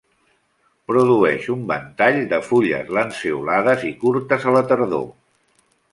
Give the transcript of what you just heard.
Produeix un ventall de fulles lanceolades i curtes a la tardor.